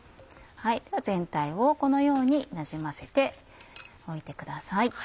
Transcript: では全体をこのようになじませておいてください。